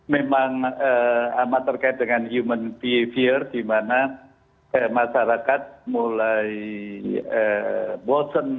memang amat terkait dengan human behavior di mana masyarakat mulai bosen